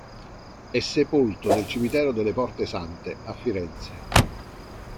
È sepolto nel Cimitero delle Porte Sante a Firenze.